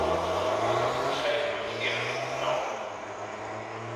De scheefgroei is eerder toegenomen.